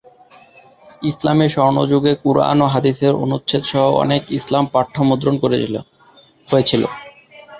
ইসলামি স্বর্ণযুগে কুরআন ও হাদিসের অনুচ্ছেদ সহ অনেক ইসলাম পাঠ্য মুদ্রণ হয়েছিল।